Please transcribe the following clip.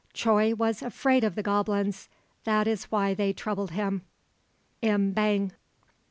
Choi was afraid of the goblins, that is why they troubled him. Im Bang.